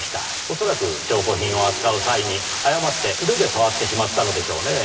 恐らく証拠品を扱う際に誤って素手で触ってしまったのでしょうねぇ。